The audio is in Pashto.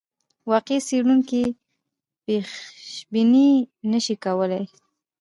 واقعي څېړونکی پیشبیني نه شي کولای.